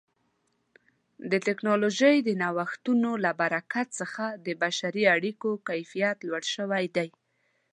د ټکنالوژۍ د نوښتونو له برکت څخه د بشري اړیکو کیفیت لوړ شوی دی.